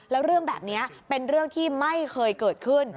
แล้วเรื่องแบบนี้เป็นเรื่องที่ไม่เคยเกิดขึ้น